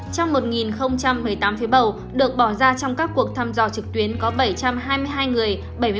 trong một một mươi tám phía bầu được bỏ ra trong các cuộc thăm dò trực tuyến có bảy trăm hai mươi hai người bảy mươi một